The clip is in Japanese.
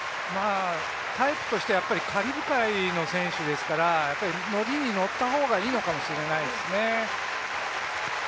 タイプとしては、カリブ海の選手ですからノリにノッた方がいいのかもしれないですね。